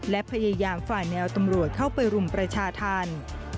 และพยายามฝ่าแนวตำรวจเข้าไปรุมประชาธรรม